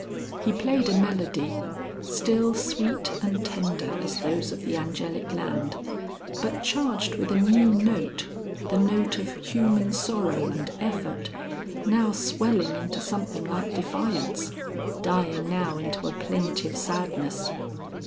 He played a melody, still sweet and tender as those of the Angelic Land, but charged with a new note, the note of human sorrow and effort, now swelling into something like defiance, dying now into a plaintive sadness.